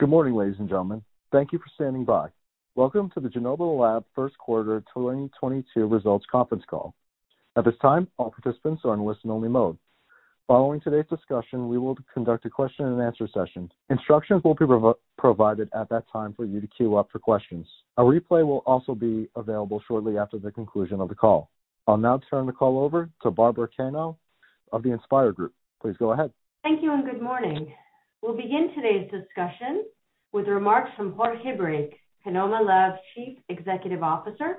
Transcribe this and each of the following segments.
Good morning, ladies and gentlemen. Thank you for standing by. Welcome to the Genomma Lab First Quarter 2022 Results Conference Call. At this time, all participants are in listen only mode. Following today's discussion, we will conduct a question and answer session. Instructions will be provided at that time for you to queue up for questions. A replay will also be available shortly after the conclusion of the call. I'll now turn the call over to Barbara Cano of the InspIR Group. Please go ahead. Thank you, and good morning. We'll begin today's discussion with remarks from Jorge Brake, Genomma Lab's Chief Executive Officer,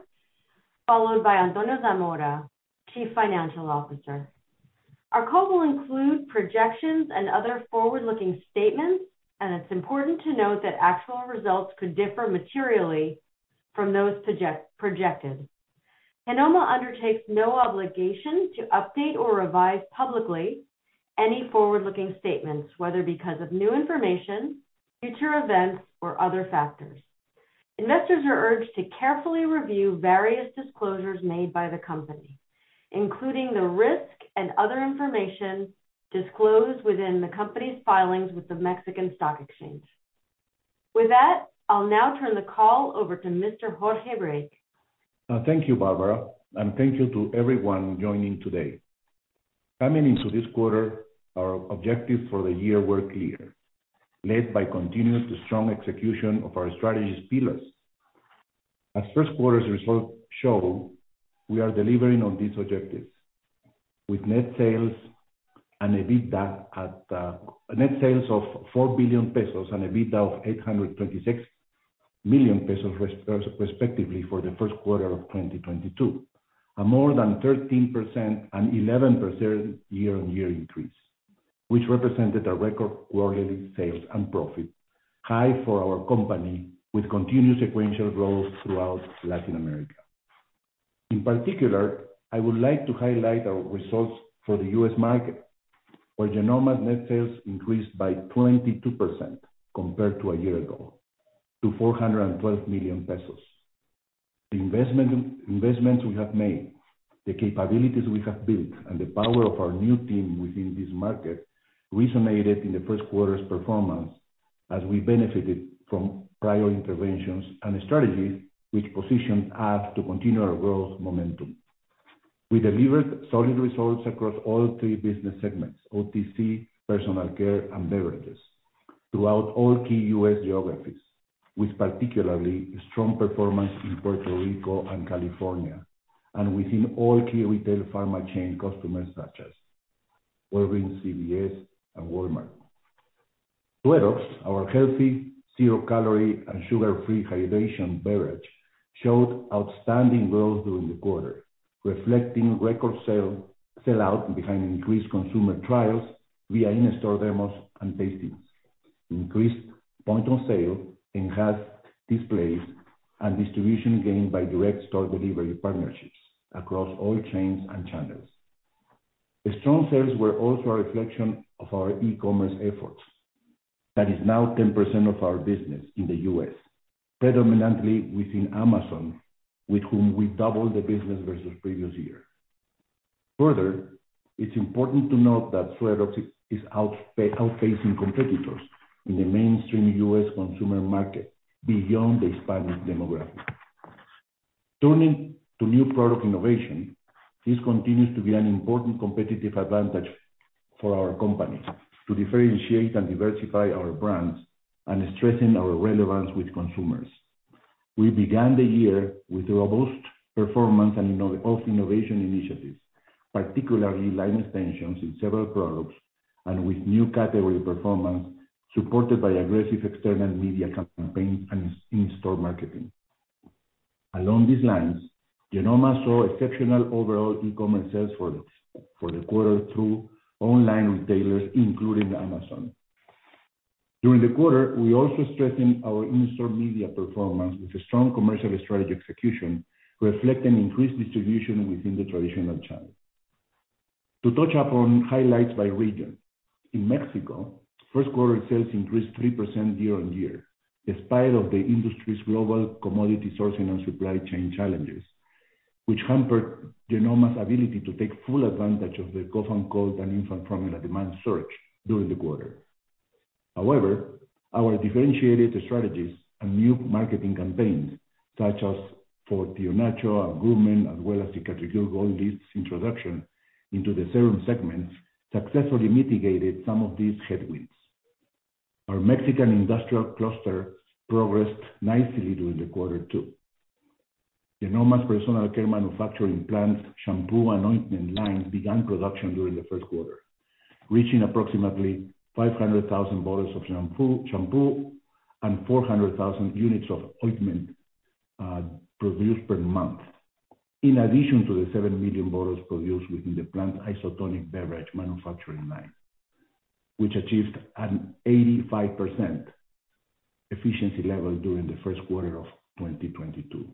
followed by Antonio Zamora, Chief Financial Officer. Our call will include projections and other forward-looking statements, and it's important to note that actual results could differ materially from those projected. Genomma undertakes no obligation to update or revise publicly any forward-looking statements, whether because of new information, future events, or other factors. Investors are urged to carefully review various disclosures made by the company, including the risk and other information disclosed within the company's filings with the Mexican Stock Exchange. With that, I'll now turn the call over to Mr. Jorge Brake. Thank you, Barbara, and thank you to everyone joining today. Coming into this quarter, our objectives for the year were clear, led by continuous to strong execution of our strategy's pillars. As first quarter's results show, we are delivering on these objectives with net sales and EBITDA, net sales of 4 billion pesos and EBITDA of 826 million pesos, respectively, for the first quarter of 2022. A more than 13% and 11% year-on-year increase, which represented a record quarterly sales and profit high for our company with continuous sequential growth throughout Latin America. In particular, I would like to highlight our results for the U.S. market, where Genomma net sales increased by 22% compared to a year ago, to 412 million pesos. The investment we have made, the capabilities we have built, and the power of our new team within this market resonated in the first quarter's performance as we benefited from prior interventions and strategies which positioned us to continue our growth momentum. We delivered solid results across all three business segments, OTC, personal care, and beverages throughout all key U.S. geographies, with particularly strong performance in Puerto Rico and California, and within all key retail pharmacy chain customers such as Walgreens, CVS, and Walmart. Suerox, our healthy zero-calorie and sugar-free hydration beverage, showed outstanding growth during the quarter, reflecting record sell-out behind increased consumer trials via in-store demos and tastings, increased point of sale, enhanced displays, and distribution gained by direct store delivery partnerships across all chains and channels. The strong sales were also a reflection of our e-commerce efforts that is now 10% of our business in the U.S., predominantly within Amazon, with whom we doubled the business versus previous year. Further, it's important to note that Suerox is outpacing competitors in the mainstream U.S. consumer market beyond the Hispanic demographic. Turning to new product innovation, this continues to be an important competitive advantage for our company to differentiate and diversify our brands and strengthen our relevance with consumers. We began the year with robust performance and innovation initiatives, particularly line extensions in several products and with new category performance supported by aggressive external media campaigns and in-store marketing. Along these lines, Genomma saw exceptional overall e-commerce sales for the quarter through online retailers, including Amazon. During the quarter, we also strengthened our in-store media performance with a strong commercial strategy execution, reflecting increased distribution within the traditional channel. To touch upon highlights by region. In Mexico, first quarter sales increased 3% year-on-year, despite the industry's global commodity sourcing and supply chain challenges, which hampered Genomma's ability to take full advantage of the cough and cold and infant formula demand surge during the quarter. However, our differentiated strategies and new marketing campaigns such as for Tio Nacho and Groomen, as well as Cicatricure Gold Lift introduction into the serum segment, successfully mitigated some of these headwinds. Our Mexican industrial cluster progressed nicely during the quarter too. Genomma's personal care manufacturing plant shampoo and ointment lines began production during the first quarter, reaching approximately 500,000 bottles of shampoo and 400,000 units of ointment produced per month, in addition to the 7 million bottles produced within the plant isotonic beverage manufacturing line, which achieved an 85% efficiency level during the first quarter of 2022.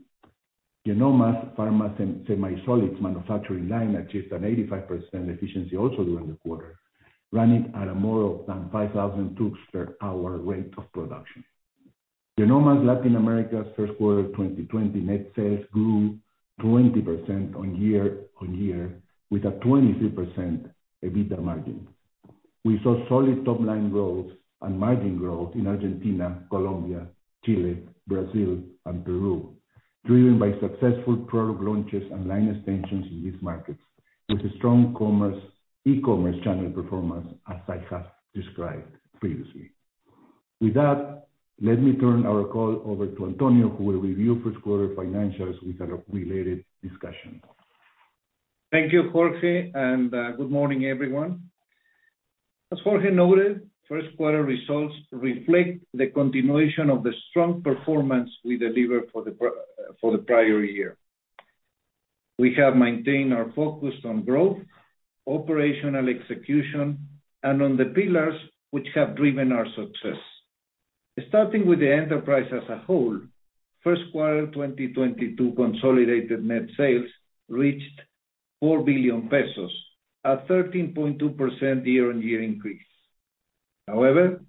Genomma's pharma semisolid manufacturing line achieved an 85% efficiency also during the quarter, running at a more than 5,000 tubes per hour rate of production. Genomma's Latin America first quarter 2020 net sales grew 20% year-over-year, with a 23% EBITDA margin. We saw solid top-line growth and margin growth in Argentina, Colombia, Chile, Brazil, and Peru, driven by successful product launches and line extensions in these markets with a strong e-commerce channel performance, as I have described previously. With that, let me turn our call over to Antonio, who will review first quarter financials with a related discussion. Thank you, Jorge, and good morning, everyone. As Jorge noted, first quarter results reflect the continuation of the strong performance we delivered for the prior year. We have maintained our focus on growth, operational execution, and on the pillars which have driven our success. Starting with the enterprise as a whole, first quarter 2022 consolidated net sales reached 4 billion pesos, a 13.2% year-on-year increase. However,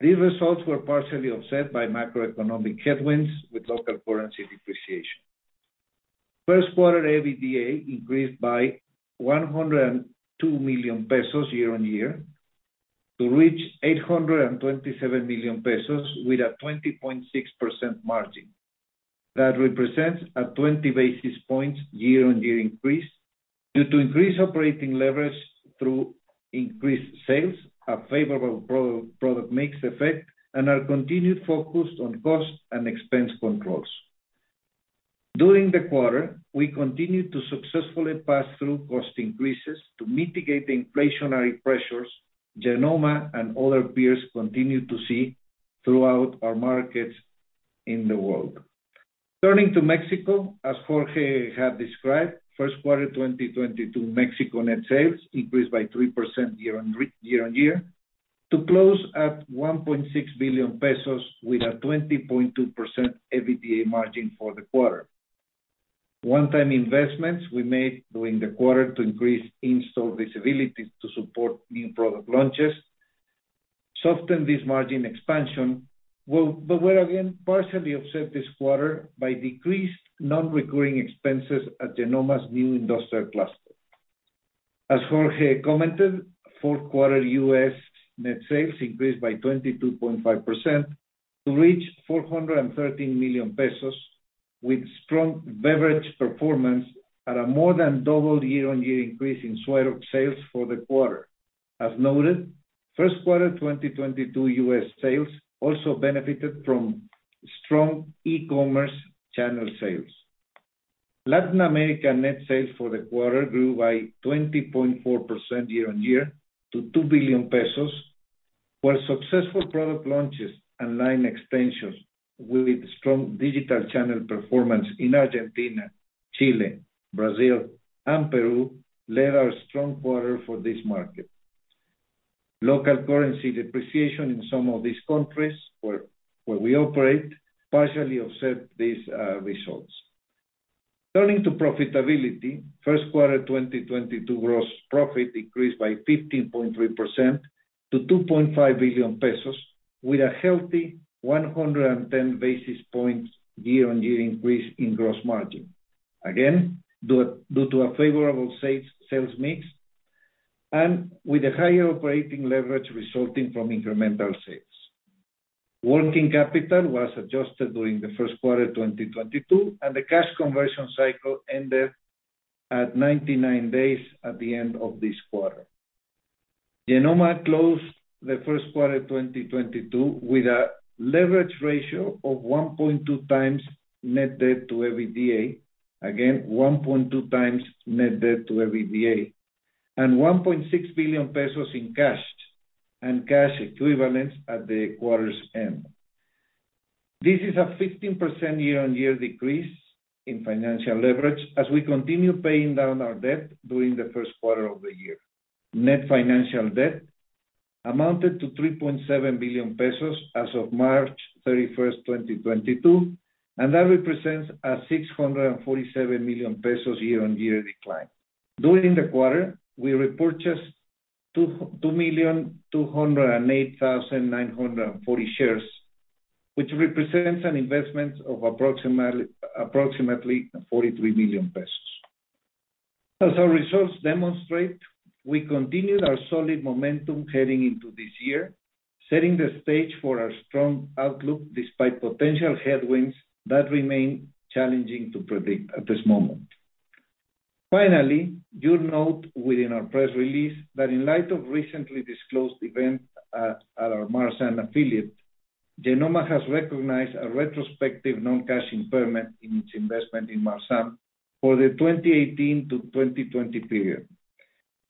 these results were partially offset by macroeconomic headwinds with local currency depreciation. First quarter EBITDA increased by 102 million pesos year-on-year to reach 827 million pesos with a 20.6% margin. That represents a 20 basis points year-on-year increase due to increased operating leverage through increased sales, a favorable product mix effect, and our continued focus on cost and expense controls. During the quarter, we continued to successfully pass through cost increases to mitigate the inflationary pressures Genomma Lab and other peers continue to see throughout our markets in the world. Turning to Mexico, as Jorge had described, first quarter 2022 Mexico net sales increased by 3% year-on-year to close at 1.6 billion pesos with a 20.2% EBITDA margin for the quarter. One-time investments we made during the quarter to increase in-store visibility to support new product launches softened this margin expansion but were again partially offset this quarter by decreased non-recurring expenses at Genomma Lab's new industrial cluster. As Jorge commented, fourth quarter U,S, net sales increased by 22.5% to reach 413 million pesos with strong beverage performance at a more than double year-on-year increase in Suerox sales for the quarter. As noted, first quarter 2022 U.S. sales also benefited from strong e-commerce channel sales. Latin America net sales for the quarter grew by 20.4% year-on-year to 2 billion pesos, where successful product launches and line extensions with strong digital channel performance in Argentina, Chile, Brazil, and Peru led our strong quarter for this market. Local currency depreciation in some of these countries where we operate partially offset these results. Turning to profitability, first quarter 2022 gross profit increased by 15.3% to 2.5 billion pesos with a healthy 110 basis points year-on-year increase in gross margin. Again, due to a favorable sales mix and with a higher operating leverage resulting from incremental sales. Working capital was adjusted during the first quarter 2022, and the cash conversion cycle ended at 99 days at the end of this quarter. Genomma closed the first quarter 2022 with a leverage ratio of 1.2x net debt to EBITDA. Again, 1.2x net debt to EBITDA, and 1.6 billion pesos in cash and cash equivalents at the quarter's end. This is a 15% year-on-year decrease in financial leverage as we continue paying down our debt during the first quarter of the year. Net financial debt amounted to 3.7 billion pesos as of March 31st, 2022, and that represents a 647 million pesos year-on-year decline. During the quarter, we repurchased 2,208,940 shares, which represents an investment of approximately 43 million pesos. As our results demonstrate, we continued our solid momentum heading into this year, setting the stage for our strong outlook despite potential headwinds that remain challenging to predict at this moment. Finally, you'll note within our press release that in light of recently disclosed events at our Marzam affiliate, Genomma has recognized a retrospective non-cash impairment in its investment in Marzam for the 2018-2020 period.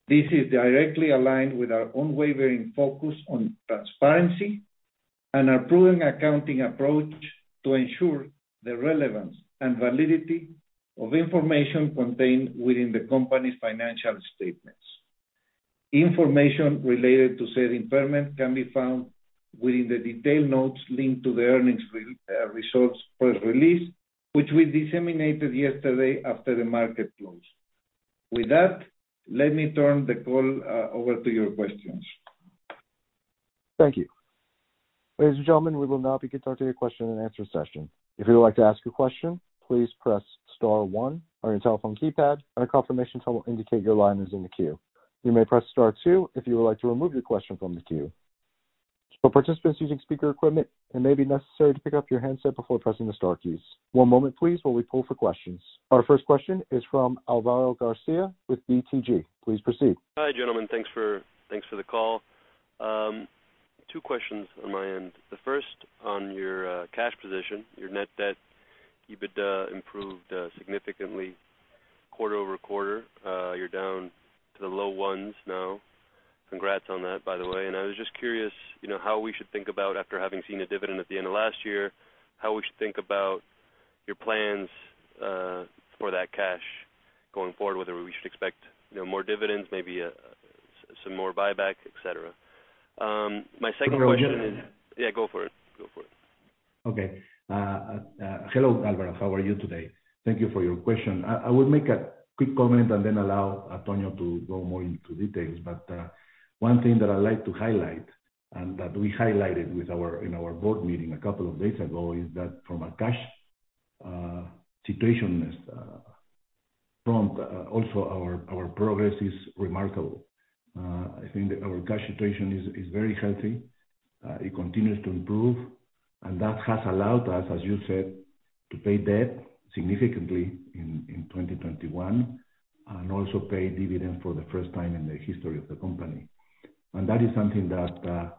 This is directly aligned with our unwavering focus on transparency and our prudent accounting approach to ensure the relevance and validity of information contained within the company's financial statements. Information related to said impairment can be found within the detailed notes linked to the earnings results press release, which we disseminated yesterday after the market closed. With that, let me turn the call over to your questions. Thank you. Ladies and gentlemen, we will now begin today's question and answer session. If you would like to ask a question, please press star one on your telephone keypad and a confirmation tone will indicate your line is in the queue. You may press star two if you would like to remove your question from the queue. For participants using speaker equipment, it may be necessary to pick up your handset before pressing the star keys. One moment, please, while we pull for questions. Our first question is from Alvaro Garcia with BTG. Please proceed. Hi, gentlemen. Thanks for the call. Two questions on my end. The first on your cash position, your net debt to EBITDA improved significantly quarter-over-quarter. You're down to the low ones now. Congrats on that, by the way. I was just curious, you know, how we should think about after having seen a dividend at the end of last year, how we should think about your plans for that cash going forward, whether we should expect, you know, more dividends, maybe some more buyback, et cetera. My second question is. Go ahead. Yeah, go for it. Okay. Hello, Alvaro. How are you today? Thank you for your question. I would make a quick comment and then allow Antonio to go more into details. One thing that I like to highlight and that we highlighted in our board meeting a couple of days ago is that from a cash situation as well as our progress is remarkable. I think our cash situation is very healthy. It continues to improve, and that has allowed us, as you said, to pay debt significantly in 2021 and also pay dividends for the first time in the history of the company. That is something that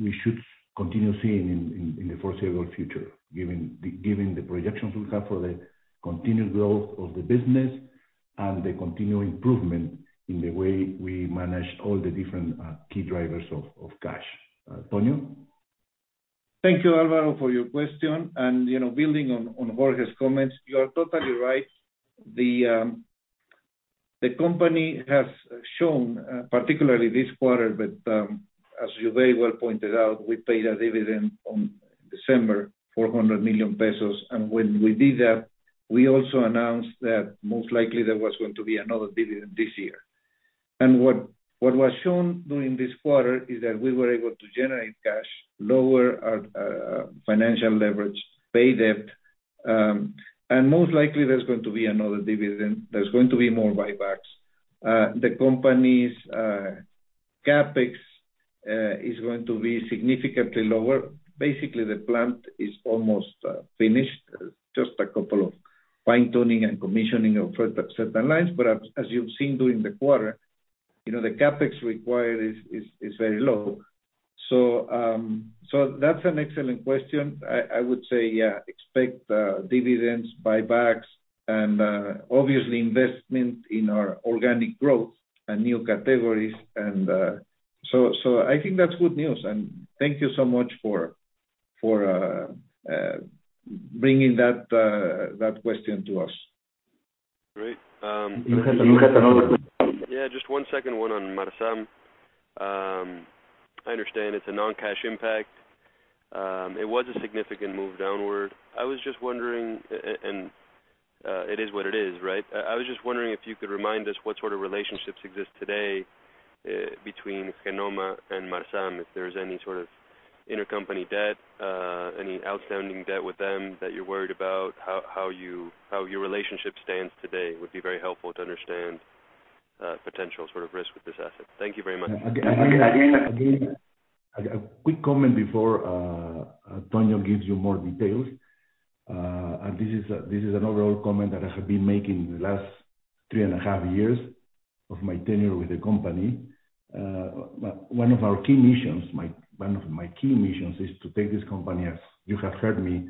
we should continue seeing in the foreseeable future, given the projections we have for the continued growth of the business and the continued improvement in the way we manage all the different key drivers of cash. Antonio. Thank you, Alvaro, for your question. You know, building on Jorge's comments, you are totally right. The company has shown particularly this quarter, but as you very well pointed out, we paid a dividend on December, 400 million pesos. When we did that, we also announced that most likely there was going to be another dividend this year. What was shown during this quarter is that we were able to generate cash, lower our financial leverage, pay debt, and most likely there's going to be another dividend. There's going to be more buybacks. The company's CapEx is going to be significantly lower. Basically, the plant is almost finished, just a couple of fine-tuning and commissioning of certain lines. As you've seen during the quarter, you know, the CapEx required is very low. That's an excellent question. I would say, yeah, expect dividends, buybacks and obviously investment in our organic growth and new categories. So I think that's good news. Thank you so much for bringing that question to us. Great. You have another one. Yeah, just one second one on Marzam. I understand it's a non-cash impact. It was a significant move downward. I was just wondering, and it is what it is, right? I was just wondering if you could remind us what sort of relationships exist today between Genomma and Marzam, if there's any sort of intercompany debt, any outstanding debt with them that you're worried about, how your relationship stands today would be very helpful to understand potential sort of risk with this asset. Thank you very much. Again, a quick comment before Antonio gives you more details. This is an overall comment that I have been making the last three and a half years of my tenure with the company. One of our key missions is to take this company, as you have heard me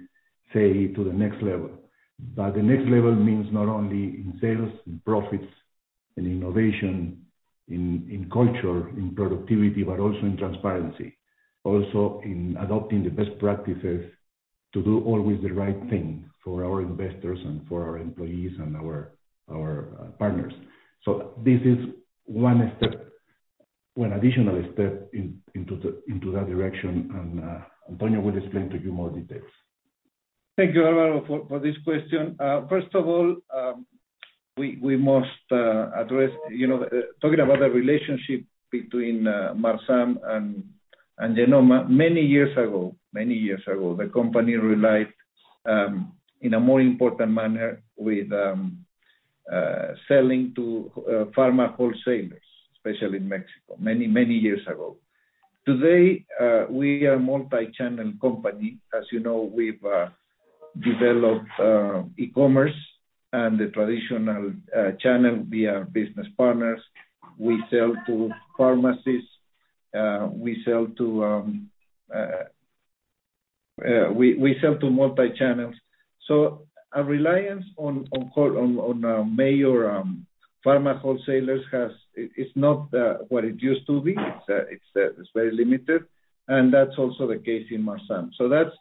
say, to the next level. The next level means not only in sales and profits and innovation, in culture, in productivity, but also in transparency, also in adopting the best practices to do always the right thing for our investors and for our employees and our partners. This is one step, one additional step into that direction. Antonio will explain to you more details. Thank you, Alvaro, for this question. First of all, we must address, you know, talking about the relationship between Marzam and Genomma. Many years ago, the company relied in a more important manner with selling to pharma wholesalers, especially in Mexico, many years ago. Today, we are multi-channel company. As you know, we've developed e-commerce and the traditional channel via business partners. We sell to pharmacies, we sell to multi-channels. Our reliance on a major pharma wholesalers is not what it used to be. It's very limited, and that's also the case in Marzam. That's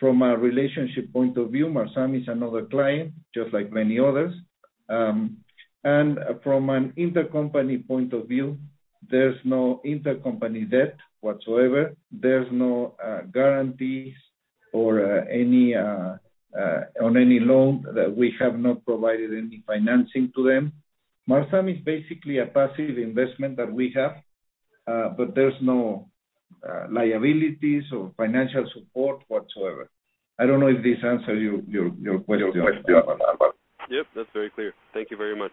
from a relationship point of view. Marzam is another client, just like many others. From an intercompany point of view, there's no intercompany debt whatsoever. There's no guarantees or any on any loan that we have not provided any financing to them. Marzam is basically a passive investment that we have, but there's no liabilities or financial support whatsoever. I don't know if this answer your question, Alvaro. Yep, that's very clear. Thank you very much.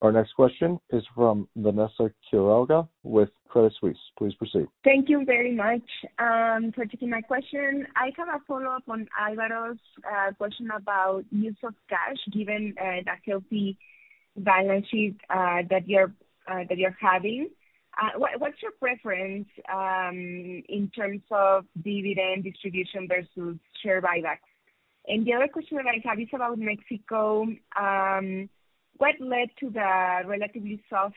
Our next question is from Vanessa Quiroga with Credit Suisse. Please proceed. Thank you very much for taking my question. I have a follow-up on Alvaro's question about use of cash given the healthy balance sheet that you're having. What's your preference in terms of dividend distribution versus share buybacks? The other question I have is about Mexico. What led to the relatively soft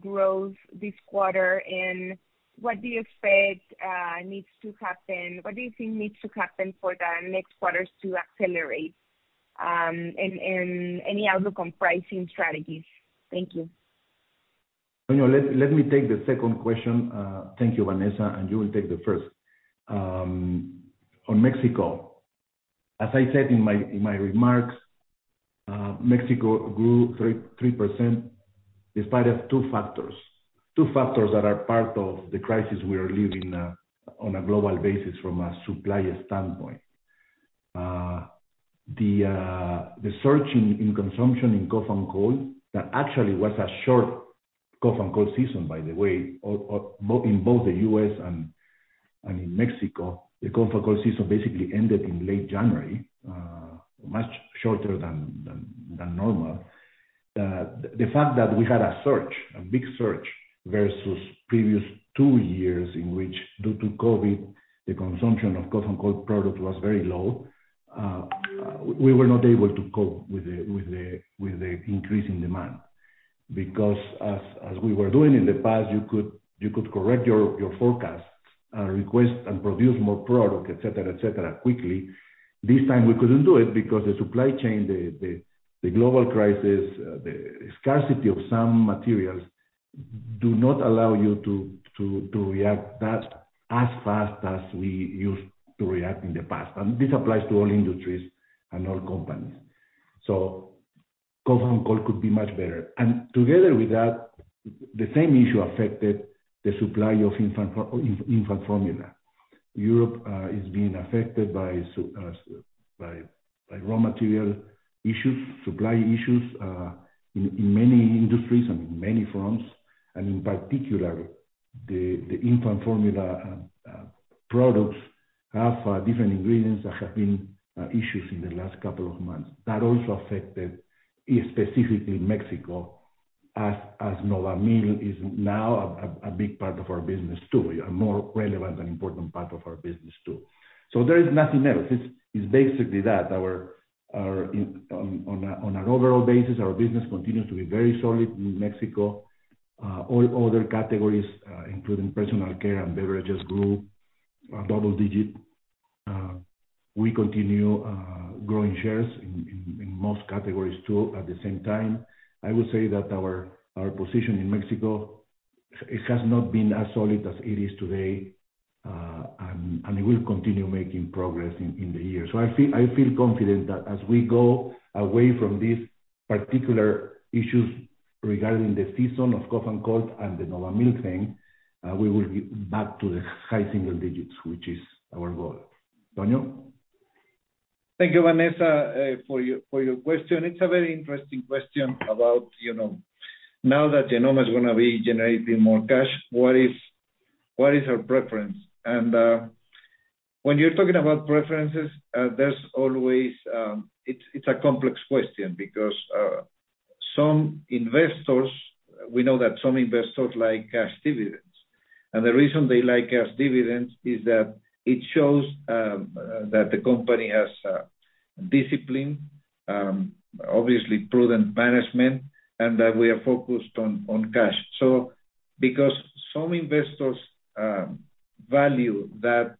growth this quarter, and what do you expect needs to happen? What do you think needs to happen for the next quarters to accelerate, and any outlook on pricing strategies? Thank you. No, let me take the second question, thank you, Vanessa, and you will take the first. On Mexico, as I said in my remarks, Mexico grew 3% despite two factors. Two factors that are part of the crisis we are living on a global basis from a supplier standpoint. The shortage in consumption in cough and cold that actually was a short cough and cold season by the way, in both the U.S. and in Mexico, the cough and cold season basically ended in late January, much shorter than normal. The fact that we had a surge, a big surge versus previous two years in which due to COVID, the consumption of cough and cold product was very low, we were not able to cope with the increase in demand. Because as we were doing in the past, you could correct your forecast, request and produce more product, et cetera, quickly. This time we couldn't do it because the supply chain, the global crisis, the scarcity of some materials do not allow you to react that as fast as we used to react in the past. This applies to all industries and all companies. Cough and cold could be much better. Together with that, the same issue affected the supply of infant formula. Europe is being affected by raw material issues, supply issues in many industries and in many fronts, and in particular the infant formula products have different ingredients that have been issues in the last couple of months. That also affected specifically Mexico as Novamil is now a big part of our business too, a more relevant and important part of our business too. There is nothing new. It's basically that on an overall basis, our business continues to be very solid in Mexico. All other categories, including personal care and beverages grew double-digit. We continue growing shares in most categories too at the same time. I would say that our position in Mexico, it has not been as solid as it is today, and we'll continue making progress in the year. I feel confident that as we go away from these particular issues regarding the season of cough and cold and the Novamil thing, we will be back to the high single digits, which is our goal. Tonio? Thank you, Vanessa, for your question. It's a very interesting question about, you know, now that Genomma is gonna be generating more cash, what is our preference? When you're talking about preferences, there's always. It's a complex question because some investors, we know that some investors like cash dividends. The reason they like cash dividends is that it shows that the company has discipline, obviously prudent management, and that we are focused on cash. Because some investors value that,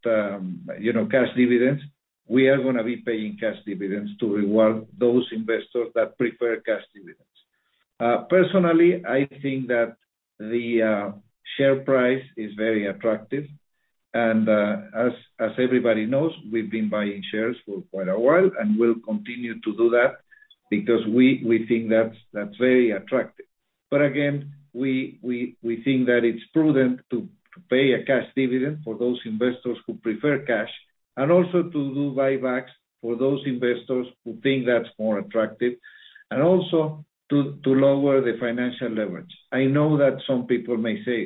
you know, cash dividends, we are gonna be paying cash dividends to reward those investors that prefer cash dividends. Personally, I think that the share price is very attractive and, as everybody knows, we've been buying shares for quite a while and will continue to do that because we think that's very attractive. Again, we think that it's prudent to pay a cash dividend for those investors who prefer cash, and also to do buybacks for those investors who think that's more attractive, and also to lower the financial leverage. I know that some people may say,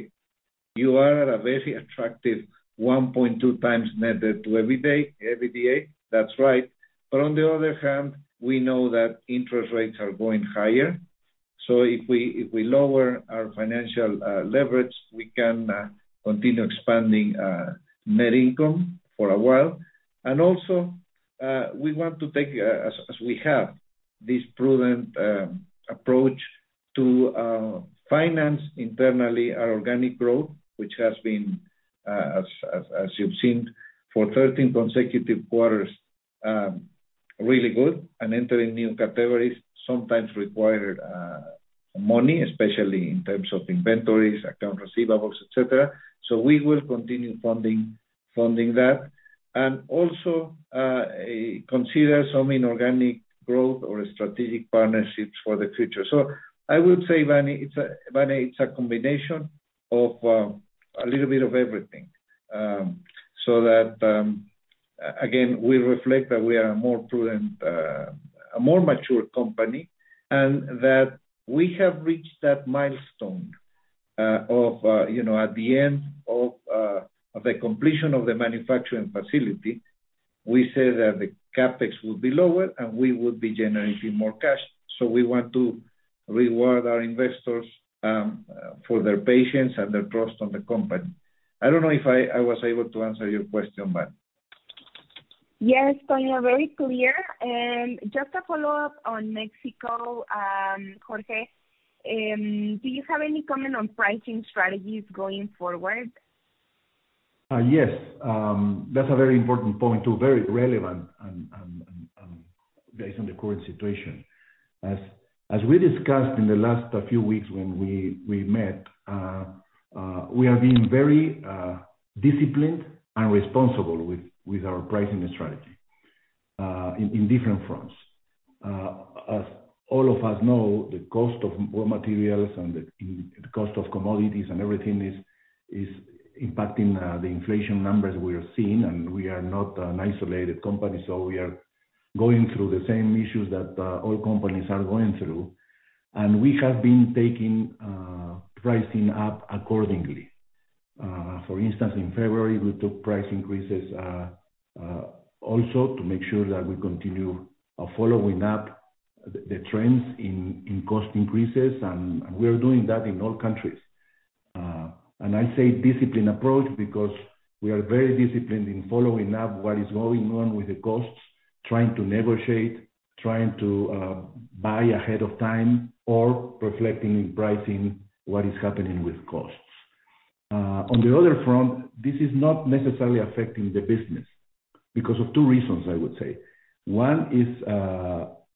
"You are at a very attractive 1.2x net debt to EBITDA." That's right. On the other hand, we know that interest rates are going higher, so if we lower our financial leverage, we can continue expanding net income for a while. Also, we want to take, as we have, this prudent approach to finance internally our organic growth, which has been, as you've seen for 13 consecutive quarters, really good. Entering new categories sometimes require money, especially in terms of inventories, accounts receivable, et cetera. We will continue funding that. Also, consider some inorganic growth or strategic partnerships for the future. I would say, Vani, it's a combination of a little bit of everything. That again we reflect that we are a more prudent, a more mature company, and that we have reached that milestone, you know, at the end of the completion of the manufacturing facility, we said that the CapEx would be lower and we would be generating more cash. We want to reward our investors for their patience and their trust on the company. I don't know if I was able to answer your question, Vanessa. Yes, Antonio, very clear. Just a follow-up on Mexico, Jorge. Do you have any comment on pricing strategies going forward? Yes. That's a very important point, too, very relevant and based on the current situation. We discussed in the last few weeks when we met, we are being very disciplined and responsible with our pricing strategy in different fronts. As all of us know, the cost of raw materials and the cost of commodities and everything is impacting the inflation numbers we are seeing. We are not an isolated company, so we are going through the same issues that all companies are going through. We have been taking pricing up accordingly. For instance, in February, we took price increases also to make sure that we continue following up the trends in cost increases. We are doing that in all countries. I say disciplined approach because we are very disciplined in following up what is going on with the costs, trying to negotiate, trying to buy ahead of time or reflecting in pricing what is happening with costs. On the other front, this is not necessarily affecting the business because of two reasons, I would say. One is,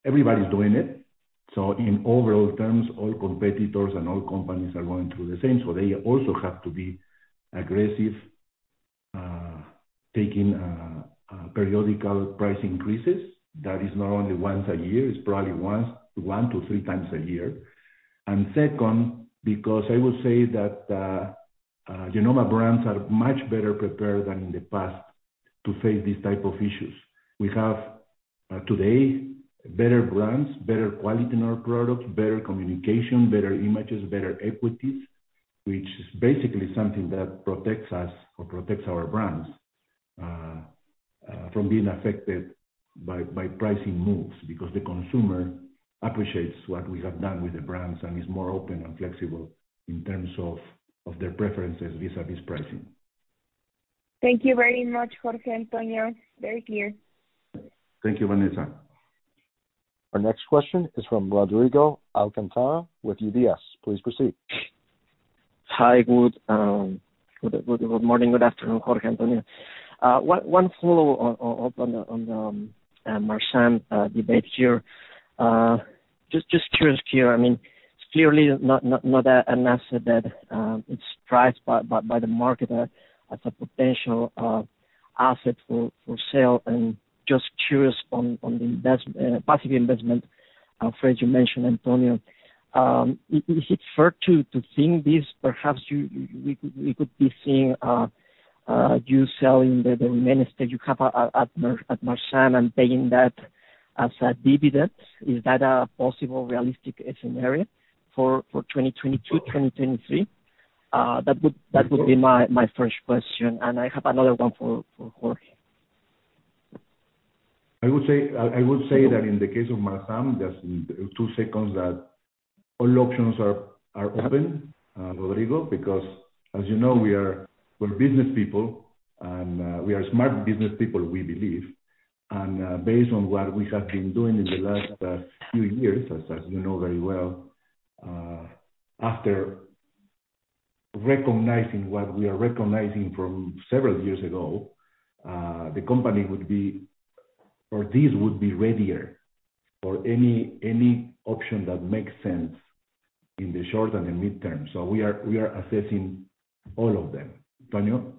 everybody's doing it, so in overall terms, all competitors and all companies are going through the same, so they also have to be aggressive taking periodic price increases. That is not only once a year, it's probably once, one to 3x a year. Second, because I would say that Genomma brands are much better prepared than in the past to face these type of issues. We have today better brands, better quality in our products, better communication, better images, better equities, which is basically something that protects us or protects our brands from being affected by pricing moves, because the consumer appreciates what we have done with the brands and is more open and flexible in terms of their preferences vis-a-vis pricing. Thank you very much, Jorge, Antonio. Very clear. Thank you, Vanessa. Our next question is from Rodrigo Alcantara with UBS. Please proceed. Hi. Good morning, good afternoon, Jorge, Antonio. One follow-up on Marzam debate here. Just curious here, I mean, clearly not an asset that is prized by the market as a potential asset for sale. Just curious on the passive investment phrase you mentioned, Antonio. Is it fair to think this perhaps we could be seeing you selling the remaining stake you have at Marzam and paying that as a dividend? Is that a possible realistic scenario for 2022, 2023? That would be my first question. I have another one for Jorge. I would say that in the case of Marzam, just in two seconds, that all options are open, Rodrigo, because as you know, we're business people and we are smart business people, we believe. Based on what we have been doing in the last few years, as you know very well, after recognizing what we are recognizing from several years ago, the company would be, or this would be readier for any option that makes sense in the short and the mid-term. We are assessing all of them. Antonio?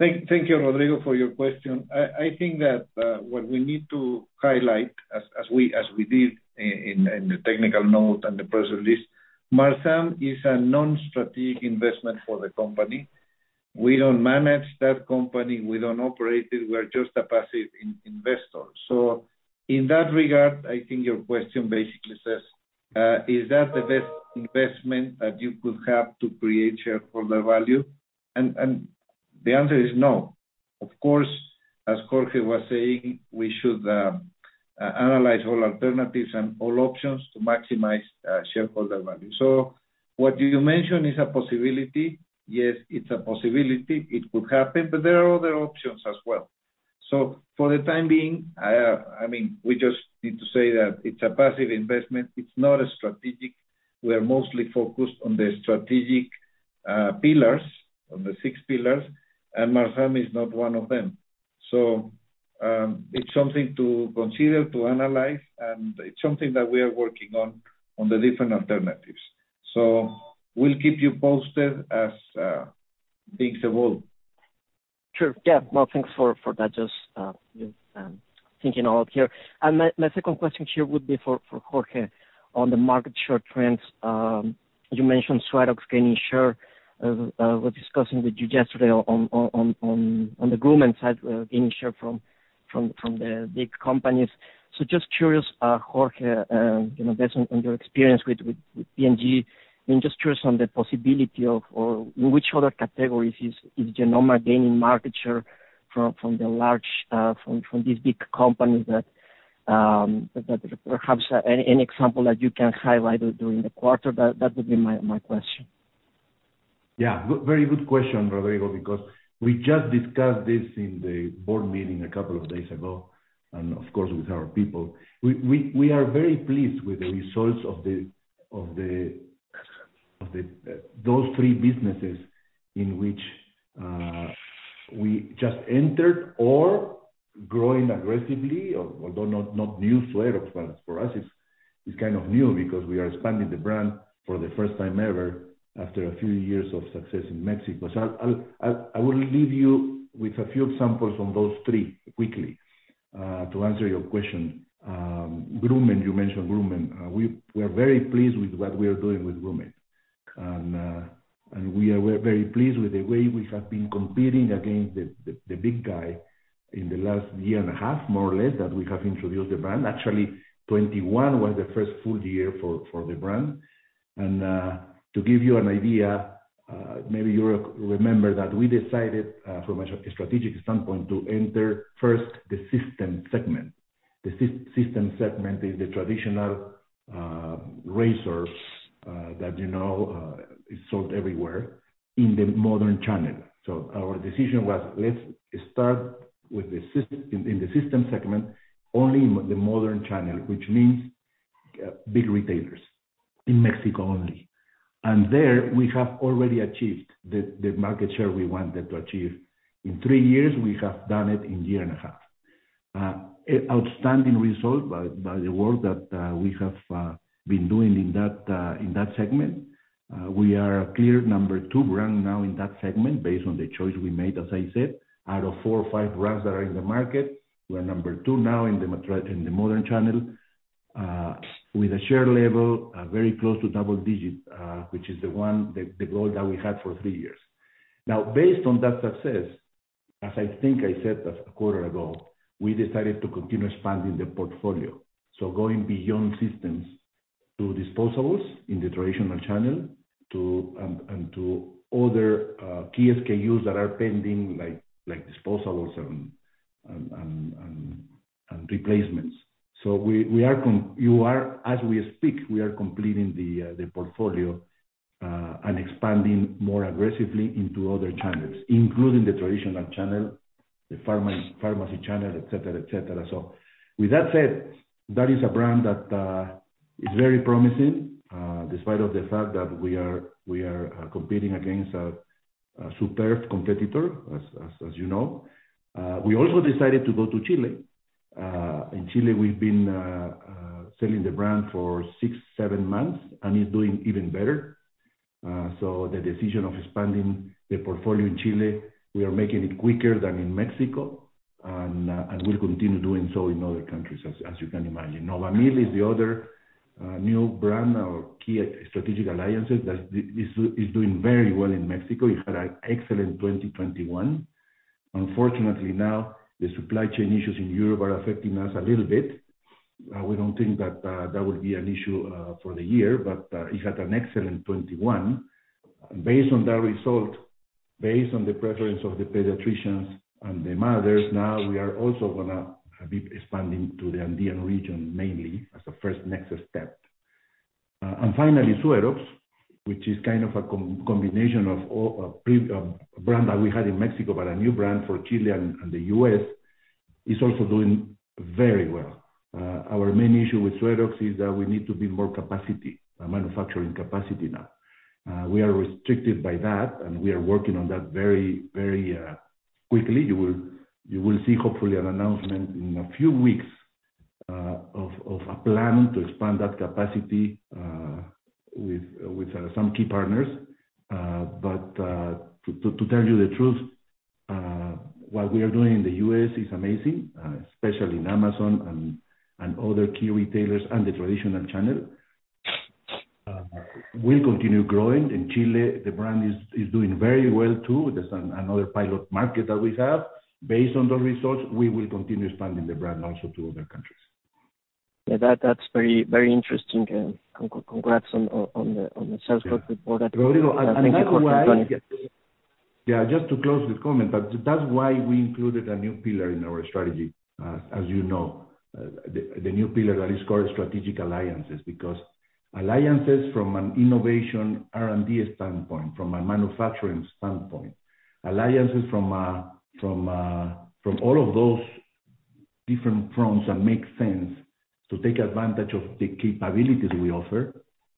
Thank you, Rodrigo, for your question. I think that what we need to highlight as we did in the technical note and the press release, Marzam is a non-strategic investment for the company. We don't manage that company. We don't operate it. We are just a passive investor. In that regard, I think your question basically says, is that the best investment that you could have to create shareholder value? The answer is no. Of course, as Jorge was saying, we should analyze all alternatives and all options to maximize shareholder value. What you mentioned is a possibility. Yes, it's a possibility. It could happen, but there are other options as well. For the time being, I mean, we just need to say that it's a passive investment. It's not strategic. We are mostly focused on the strategic. Pillars of the six pillars, and Marzam is not one of them. It's something to consider, to analyze, and it's something that we are working on the different alternatives. We'll keep you posted as things evolve. Sure, yeah. Well, thanks for that. Just you know thinking out here. My second question here would be for Jorge on the market share trends. You mentioned Suerox is gaining share. Was discussing with you yesterday on the grooming side gaining share from the big companies. Just curious Jorge you know based on your experience with P&G. I'm just curious on the possibility of or in which other categories is Genomma gaining market share from the large from these big companies that perhaps any example that you can highlight during the quarter. That would be my question. Yeah, good. Very good question, Rodrigo, because we just discussed this in the board meeting a couple of days ago, and of course, with our people. We are very pleased with the results of those three businesses in which we just entered or growing aggressively, although not new Suerox, but for us it's kind of new because we are expanding the brand for the first time ever after a few years of success in Mexico. I will leave you with a few examples from those three quickly to answer your question. Groomen, you mentioned Groomen. We're very pleased with what we are doing with Groomen. We are very pleased with the way we have been competing against the big guy in the last year and a half, more or less, that we have introduced the brand. Actually, 2021 was the first full year for the brand. To give you an idea, maybe you remember that we decided from a strategic standpoint to enter first the system segment. The system segment is the traditional razors that you know is sold everywhere in the modern channel. Our decision was, let's start with the system segment, only in the modern channel, which means big retailers in Mexico only. There we have already achieved the market share we wanted to achieve. In three years, we have done it in a year and a half. Outstanding result by the work that we have been doing in that segment. We are a clear number two brand now in that segment based on the choice we made, as I said, out of four or five brands that are in the market, we are number two now in the modern channel with a share level very close to double digit, which is the goal that we had for three years. Now based on that success, as I think I said a quarter ago, we decided to continue expanding the portfolio, so going beyond systems to disposables in the traditional channel and replacements. As we speak, we are completing the portfolio and expanding more aggressively into other channels, including the traditional channel, the pharmacy channel, et cetera. With that said, that is a brand that is very promising, despite of the fact that we are competing against a superb competitor, as you know. We also decided to go to Chile. In Chile, we've been selling the brand for six to seven months, and it's doing even better. The decision of expanding the portfolio in Chile, we are making it quicker than in Mexico, and we'll continue doing so in other countries as you can imagine. Novamil is the other new brand or key strategic alliance that this is doing very well in Mexico. It had an excellent 2021. Unfortunately, now the supply chain issues in Europe are affecting us a little bit. We don't think that that will be an issue for the year, but it had an excellent 2021. Based on that result, based on the preference of the pediatricians and the mothers, now we are also gonna be expanding to the Andean region mainly as a first next step. Finally, Suerox, which is kind of a combination of all previous brand that we had in Mexico, but a new brand for Chile and the U.S., is also doing very well. Our main issue with Suerox is that we need to build more capacity, manufacturing capacity now. We are restricted by that, and we are working on that very quickly. You will see hopefully an announcement in a few weeks of a plan to expand that capacity with some key partners. To tell you the truth, what we are doing in the U.S. is amazing, especially in Amazon and other key retailers and the traditional channel. We'll continue growing. In Chile, the brand is doing very well too. There's another pilot market that we have. Based on those results, we will continue expanding the brand also to other countries. Yeah, that's very, very interesting. Congrats on the sales growth report. Rodrigo, another way. Thank you for. Yeah, just to close the comment, but that's why we included a new pillar in our strategy. As you know, the new pillar that is called strategic alliances because alliances from an innovation R&D standpoint, from a manufacturing standpoint, alliances from all of those. Different fronts that make sense to take advantage of the capabilities we offer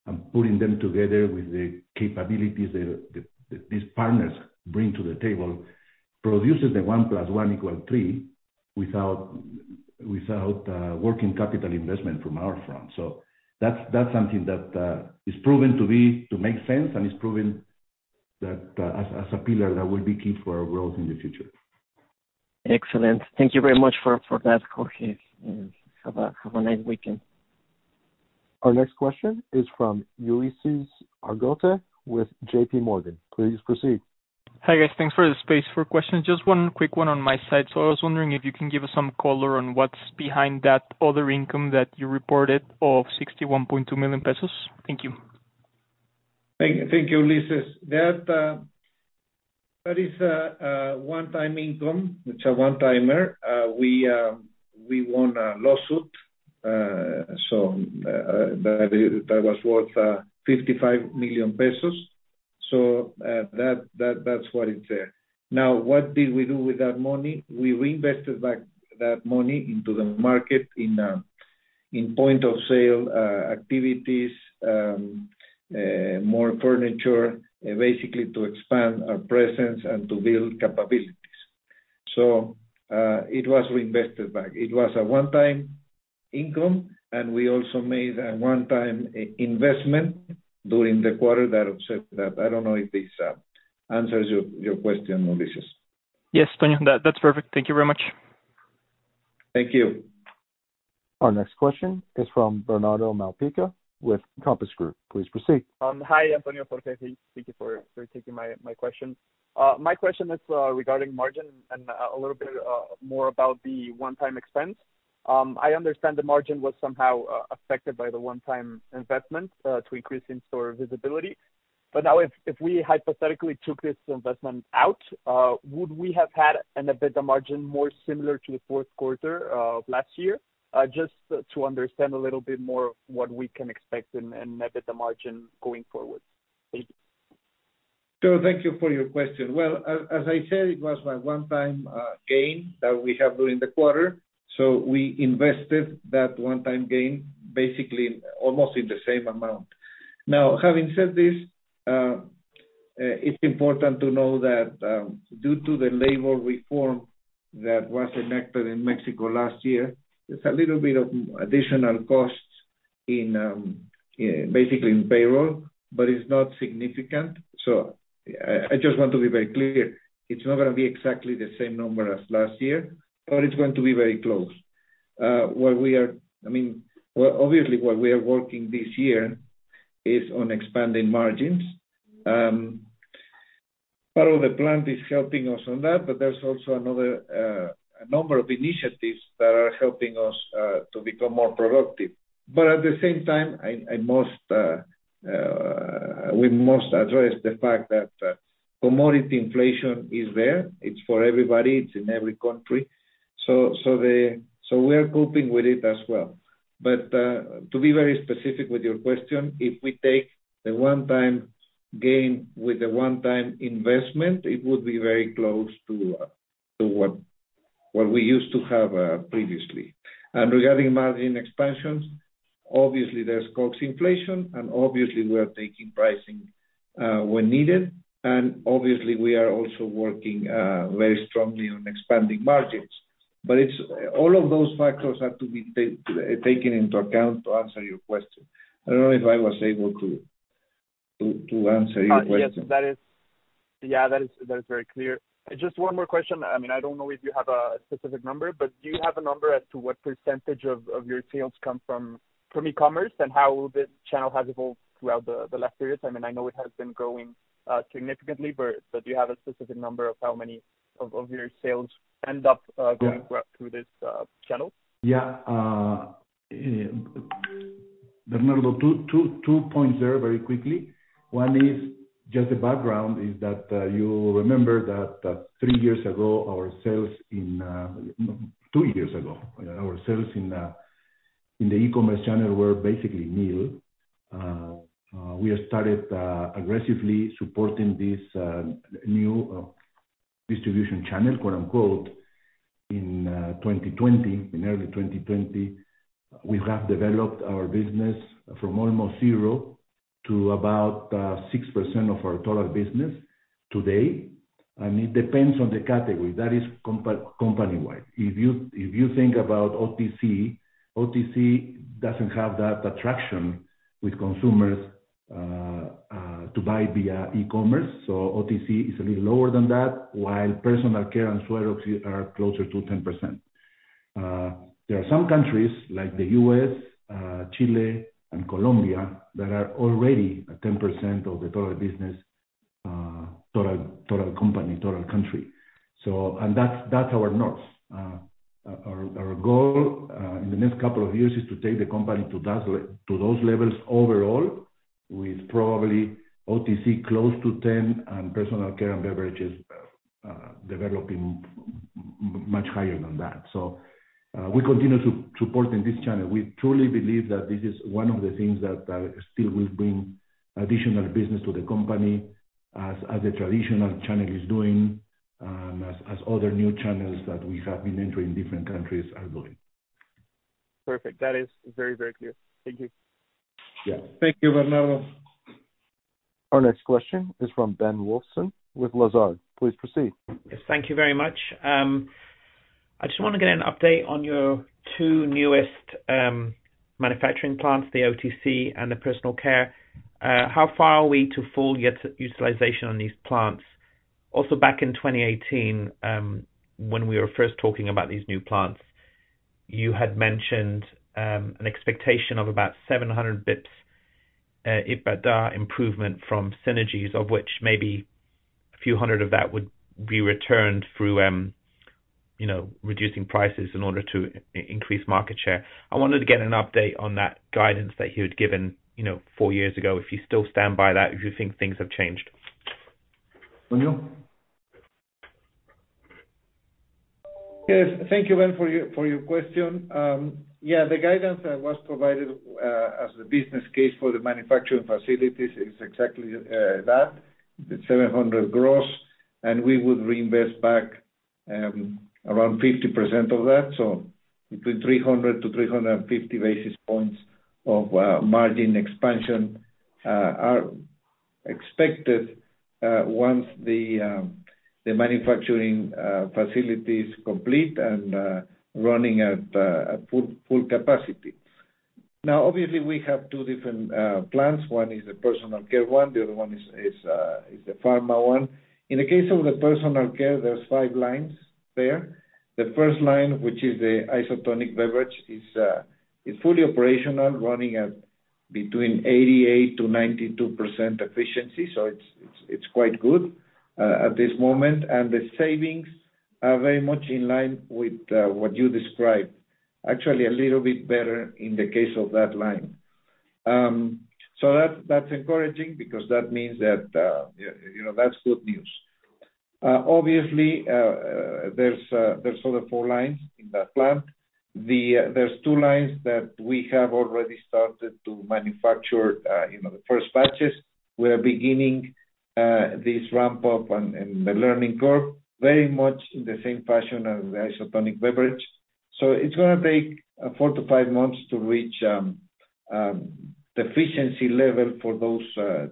and putting them together with the capabilities that these partners bring to the table produces the one plus one equal three without working capital investment from our front. That's something that is proven to make sense and is proven that as a pillar that will be key for our growth in the future. Excellent. Thank you very much for that, Jorge, and have a nice weekend. Our next question is from Ulises Argote with J.P. Morgan. Please proceed. Hi, guys. Thanks for the space for questions. Just one quick one on my side. I was wondering if you can give us some color on what's behind that other income that you reported of 61.2 million pesos. Thank you. Thank you, Ulises. That is a one-time income. It's a one-timer. We won a lawsuit, so that was worth 55 million pesos. So that's why it's there. Now, what did we do with that money? We reinvested back that money into the market in point of sale activities, more furniture, basically to expand our presence and to build capabilities. So it was reinvested back. It was a one-time income, and we also made a one-time investment during the quarter that offset that. I don't know if this answers your question, Ulises. Yes, Tonio, that's perfect. Thank you very much. Thank you. Our next question is from Bernardo Malpica with Compass Group. Please proceed. Hi, Antonio. Jorge, thank you for taking my question. My question is regarding margin and a little bit more about the one-time expense. I understand the margin was somehow affected by the one-time investment to increase in-store visibility. Now if we hypothetically took this investment out, would we have had an EBITDA margin more similar to the fourth quarter of last year? Just to understand a little bit more what we can expect in an EBITDA margin going forward. Thank you. Thank you for your question. As I said, it was a one-time gain that we have during the quarter. We invested that one-time gain basically almost in the same amount. Now, having said this, it's important to know that due to the labor reform that was enacted in Mexico last year, there's a little bit of additional costs basically in payroll, but it's not significant. I just want to be very clear, it's not gonna be exactly the same number as last year, but it's going to be very close. What we are working this year is on expanding margins. I mean, obviously, what we are working this year is on expanding margins. Part of the plan is helping us on that, but there's also another a number of initiatives that are helping us to become more productive. At the same time, we must address the fact that commodity inflation is there. It's for everybody. It's in every country. We're coping with it as well. To be very specific with your question, if we take the one-time gain with the one-time investment, it would be very close to what we used to have previously. Regarding margin expansions, obviously, there's cost inflation, and obviously we are taking pricing when needed. Obviously we are also working very strongly on expanding margins. All of those factors have to be taken into account to answer your question. I don't know if I was able to answer your question. Yeah, that is very clear. Just one more question. I mean, I don't know if you have a specific number, but do you have a number as to what percentage of your sales come from e-commerce and how the channel has evolved throughout the last periods? I mean, I know it has been growing significantly, but do you have a specific number of how many of your sales end up going through this channel? Yeah. Bernardo, two points there very quickly. One is just the background. You remember that two years ago, our sales in the e-commerce channel were basically new. We have started aggressively supporting this new distribution channel, quote-unquote, in 2020. In early 2020, we have developed our business from almost zero to about 6% of our total business today. It depends on the category. That is company-wide. If you think about OTC doesn't have that attraction with consumers to buy via e-commerce. OTC is a little lower than that, while personal care and Suerox are closer to 10%. There are some countries like the U.S., Chile, and Colombia, that are already at 10% of the total business, total company, total country. That's our north. Our goal in the next couple of years is to take the company to those levels overall, with probably OTC close to 10% and personal care and beverages developing much higher than that. We continue to support in this channel. We truly believe that this is one of the things that still will bring additional business to the company as the traditional channel is doing, as other new channels that we have been entering in different countries are doing. Perfect. That is very, very clear. Thank you. Yeah. Thank you, Bernardo. Our next question is from Ben Wilson with Lazard. Please proceed. Yes, thank you very much. I just wanna get an update on your two newest manufacturing plants, the OTC and the personal care. How far are we to full utilization on these plants? Also back in 2018, when we were first talking about these new plants, you had mentioned an expectation of about 700 basis points EBITDA improvement from synergies of which maybe a few hundred of that would be returned through, you know, reducing prices in order to increase market share. I wanted to get an update on that guidance that you had given, you know, four years ago, if you still stand by that, if you think things have changed. Jorge Brake? Yes. Thank you, Ben, for your question. Yeah, the guidance that was provided as the business case for the manufacturing facilities is exactly that. The 700 gross, and we would reinvest back around 50% of that. Between 300-350 basis points of margin expansion are expected once the manufacturing facility is complete and running at full capacity. Now, obviously, we have two different plants. One is a personal care one, the other one is the pharma one. In the case of the personal care, there's five lines there. The first line, which is the isotonic beverage, is fully operational, running at between 88%-92% efficiency. It's quite good at this moment. The savings are very much in line with what you described. Actually, a little bit better in the case of that line. So that's encouraging because that means that you know, that's good news. Obviously, there's other four lines in that plant. There's two lines that we have already started to manufacture you know, the first batches. We are beginning this ramp-up and the learning curve very much in the same fashion as the isotonic beverage. So it's gonna take four to five months to reach the efficiency level for those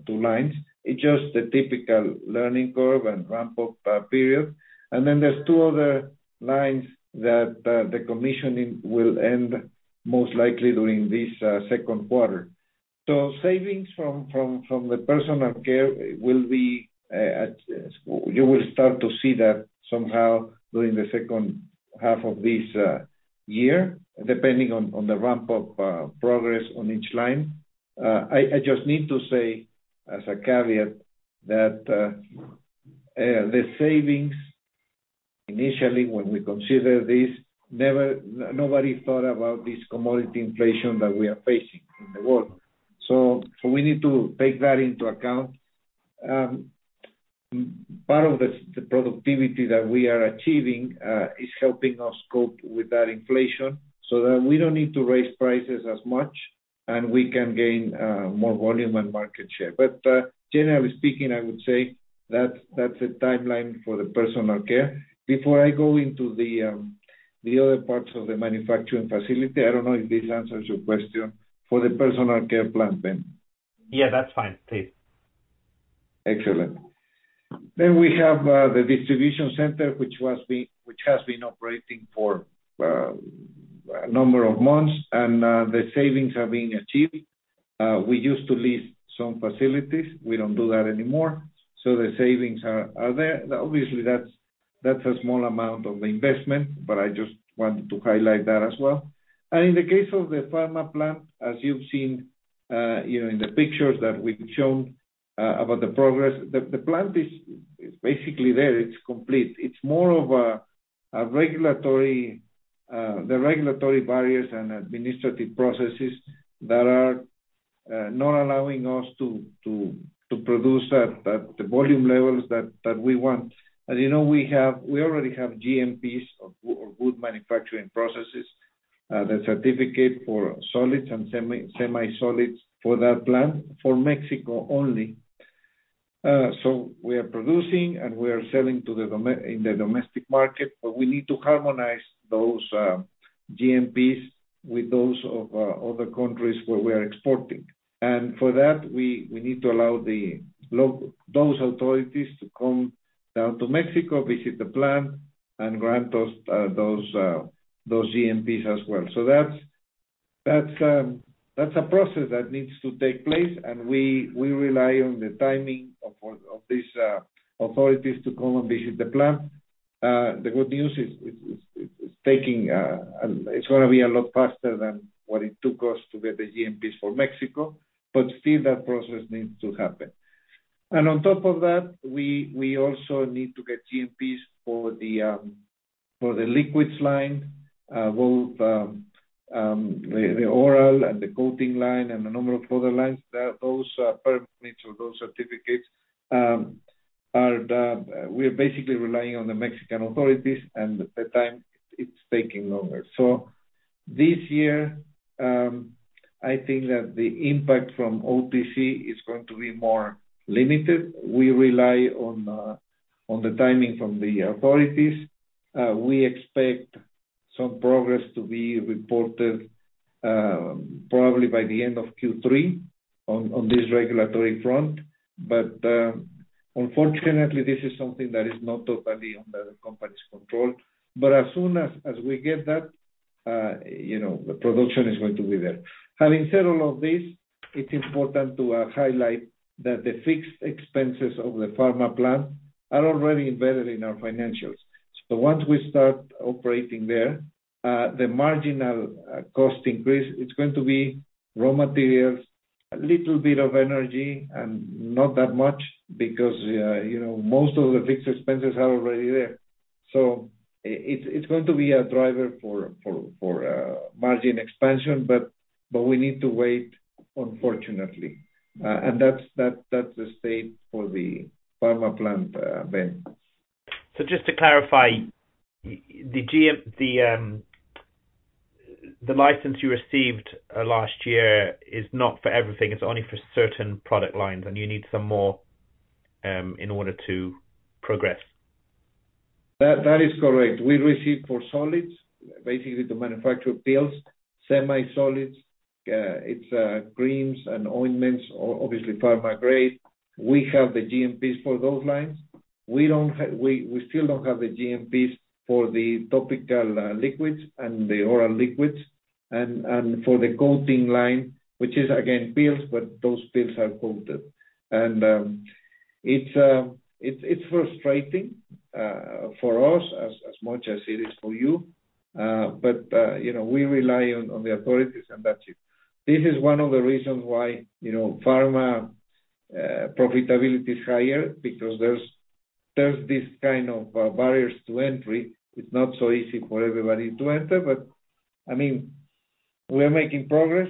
two lines. It's just the typical learning curve and ramp-up period. Then there's two other lines that the commissioning will end most likely during this second quarter. Savings from the personal care will be you will start to see that somehow during the second half of this year, depending on the ramp-up progress on each line. I just need to say as a caveat that the savings initially when we consider this, nobody thought about this commodity inflation that we are facing in the world. We need to take that into account. Part of the productivity that we are achieving is helping us cope with that inflation so that we don't need to raise prices as much, and we can gain more volume and market share. Generally speaking, I would say that's a timeline for the personal care. Before I go into the other parts of the manufacturing facility, I don't know if this answers your question for the personal care plant then. Yeah, that's fine. Please. Excellent. We have the distribution center, which has been operating for a number of months, and the savings are being achieved. We used to lease some facilities. We don't do that anymore. The savings are there. Obviously, that's a small amount of the investment, but I just wanted to highlight that as well. In the case of the pharma plant, as you've seen, you know, in the pictures that we've shown, about the progress, the plant is basically there. It's complete. It's more of a regulatory, the regulatory barriers and administrative processes that are not allowing us to produce at the volume levels that we want. As you know, we already have GMPs or good manufacturing processes, the certificate for solids and semi-solids for that plant for Mexico only. We are producing, and we are selling in the domestic market, but we need to harmonize those GMPs with those of other countries where we are exporting. For that, we need to allow those authorities to come down to Mexico, visit the plant and grant us those GMPs as well. That's a process that needs to take place, and we rely on the timing of these authorities to come and visit the plant. The good news is it's gonna be a lot faster than what it took us to get the GMPs for Mexico, but still that process needs to happen. On top of that, we also need to get GMPs for the liquids line, both the oral and the coating line and a number of other lines. Those permits or those certificates. We're basically relying on the Mexican authorities and the time it's taking longer. This year, I think that the impact from OTC is going to be more limited. We rely on the timing from the authorities. We expect some progress to be reported, probably by the end of Q3 on this regulatory front. Unfortunately, this is something that is not totally under the company's control. As soon as we get that, you know, the production is going to be there. Having said all of this, it's important to highlight that the fixed expenses of the pharma plant are already embedded in our financials. Once we start operating there, the marginal cost increase is going to be raw materials, a little bit of energy, and not that much because, you know, most of the fixed expenses are already there. It's going to be a driver for margin expansion, but we need to wait, unfortunately. That's the state for the pharma plant, Ben. Just to clarify, the license you received last year is not for everything. It's only for certain product lines, and you need some more in order to progress. That is correct. We received for solids, basically to manufacture pills, semi-solids, it's creams and ointments, obviously pharma grade. We have the GMPs for those lines. We still don't have the GMPs for the topical liquids and the oral liquids and for the coating line, which is again, pills, but those pills are coated. It's frustrating for us as much as it is for you. You know, we rely on the authorities and that's it. This is one of the reasons why, you know, pharma profitability is higher because there's this kind of barriers to entry. It's not so easy for everybody to enter. I mean, we're making progress,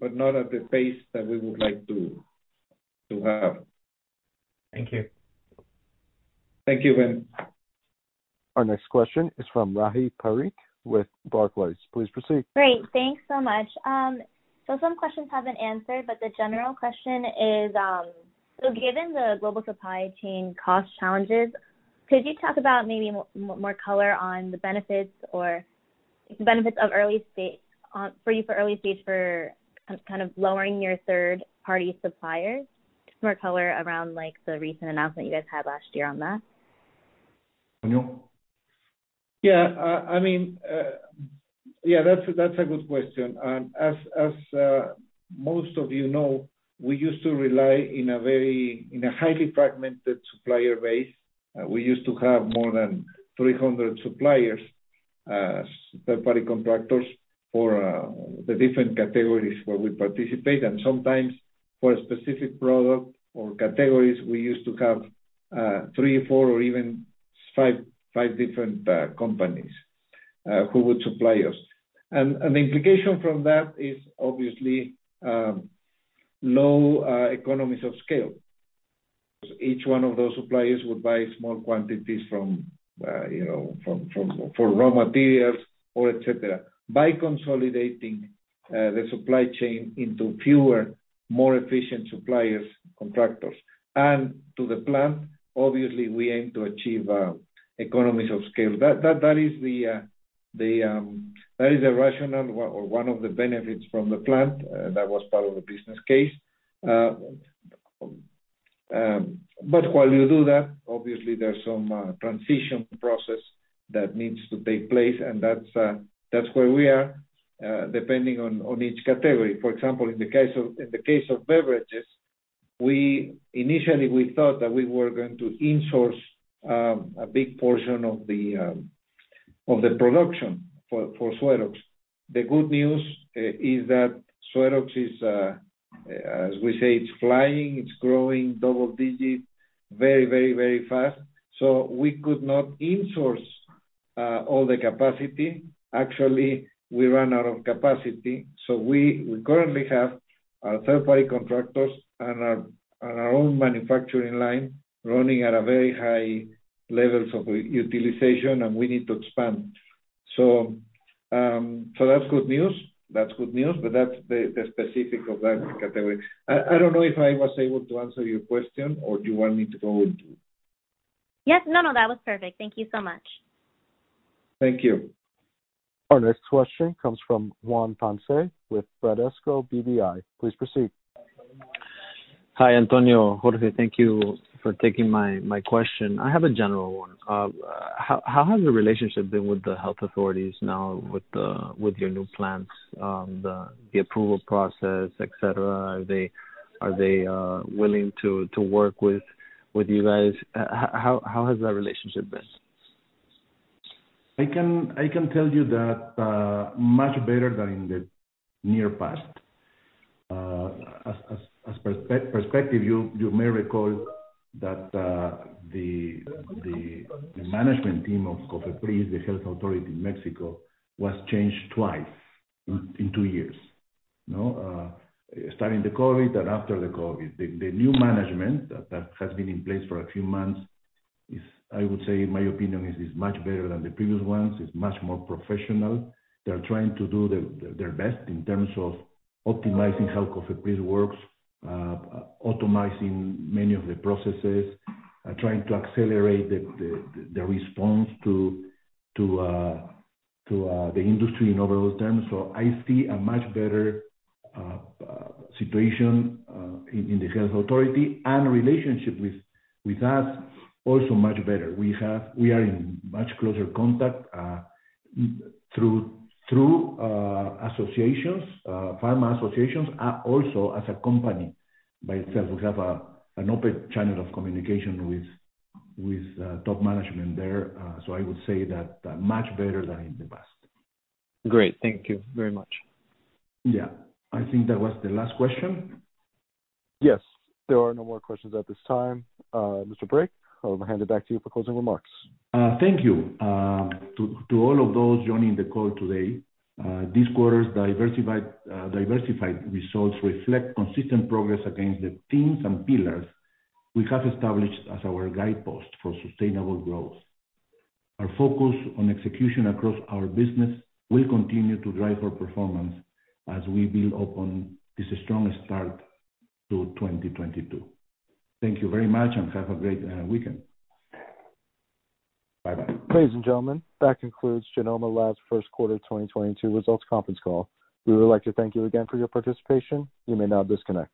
but not at the pace that we would like to have. Thank you. Thank you, Ben. Our next question is from Rahi Parikh with Barclays. Please proceed. Great. Thanks so much. Some questions have been answered, but the general question is, given the global supply chain cost challenges, could you talk about maybe more color on the benefits of early stage, on for you for early stage for kind of lowering your third-party suppliers? Just more color around like the recent announcement you guys had last year on that. Antonio? Yeah. I mean, yeah, that's a good question. As most of you know, we used to rely on a highly fragmented supplier base. We used to have more than 300 suppliers, third-party contractors for the different categories where we participate. Sometimes for a specific product or categories, we used to have three, four or even five different companies who would supply us. The implication from that is obviously low economies of scale. That is the rationale or one of the benefits from the plant that was part of the business case. While you do that, obviously there's some transition process that needs to take place, and that's where we are depending on each category. For example, in the case of beverages, we initially thought that we were going to in-source a big portion of the production for Suerox. The good news is that Suerox is, as we say, it's flying, it's growing double digits very fast. We could not in-source all the capacity. Actually, we ran out of capacity. We currently have our third-party contractors and our own manufacturing line running at a very high levels of utilization, and we need to expand. That's good news. That's the specific of that category. I don't know if I was able to answer your question or do you want me to go into it? Yes. No, no, that was perfect. Thank you so much. Thank you. Our next question comes from Juan Ponce with Bradesco BBI. Please proceed. Hi, Antonio. Jorge, thank you for taking my question. I have a general one. How has the relationship been with the health authorities now with your new plants, the approval process, et cetera? Are they willing to work with you guys? How has that relationship been? I can tell you that much better than in the near past. As perspective, you may recall that the management team of COFEPRIS, the health authority in Mexico, was changed twice in two years. You know, starting with COVID and after COVID. The new management that has been in place for a few months is, I would say in my opinion, much better than the previous ones. It's much more professional. They're trying to do their best in terms of optimizing how COFEPRIS works, automating many of the processes, trying to accelerate the response to the industry in overall terms. I see a much better situation in the health authority and relationship with us also much better. We are in much closer contact through associations, pharma associations, also as a company by itself. We have an open channel of communication with top management there. I would say that much better than in the past. Great. Thank you very much. Yeah. I think that was the last question. Yes. There are no more questions at this time. Mr. Brake, I'll hand it back to you for closing remarks. Thank you to all of those joining the call today. This quarter's diversified results reflect consistent progress against the themes and pillars we have established as our guidepost for sustainable growth. Our focus on execution across our business will continue to drive our performance as we build upon this strong start to 2022. Thank you very much and have a great weekend. Bye-bye. Ladies and gentlemen, that concludes Genomma Lab's first quarter 2022 results conference call. We would like to thank you again for your participation. You may now disconnect.